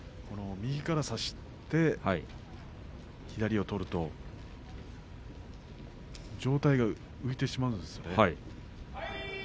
右から差して左を取ると上体が浮いてしまうんですね。